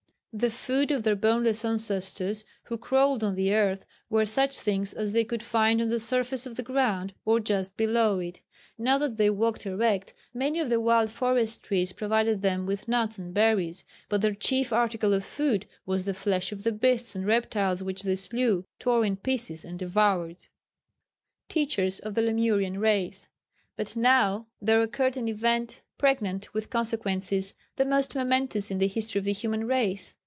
The food of their boneless ancestors who crawled on the earth were such things as they could find on the surface of the ground or just below it. Now that they walked erect many of the wild forest trees provided them with nuts and berries, but their chief article of food was the flesh of the beasts and reptiles which they slew, tore in pieces, and devoured. [Sidenote: Teachers of the Lemurian Race.] But now there occurred an event pregnant with consequences the most momentous in the history of the human race.